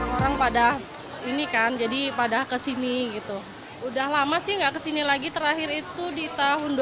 orang pada ini kan jadi pada kesini gitu udah lama sih enggak kesini lagi terakhir itu di tahun dua ribu dua